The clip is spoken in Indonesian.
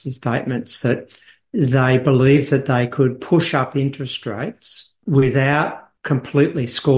mereka percaya bahwa mereka bisa mengembangkan harga keuntungan